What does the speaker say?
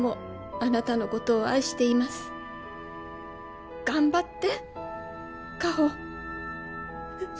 「あなたのことを愛しています」「頑張って果歩」